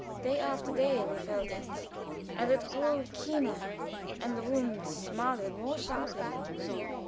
Day after day we felt it, and it grew keener, and the wound smarted more sharply.